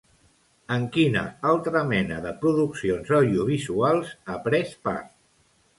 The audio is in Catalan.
En quina altra mena de produccions audiovisuals ha pres part?